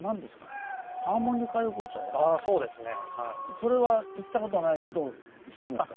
それは行った事ないけど知ってました。